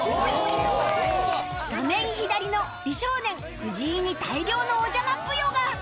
画面左の美少年藤井に大量のおじゃまぷよが！